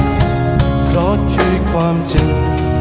เพราะคือความจริง